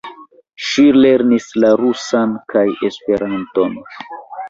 Ŝi lernis la rusan kaj Esperanton.